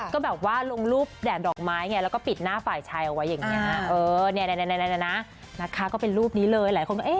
ก็แบบว่าลงรูปแดดดอกไม้ไงแล้วก็ปิดหน้าฝ่ายชายเอาไว้อย่างนี้นะคะ